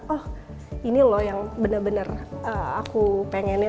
oh ini loh yang bener bener aku pengennya